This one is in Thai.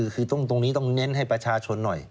คือตรงนี้ต้องเน้นให้ประชาชนหน่อย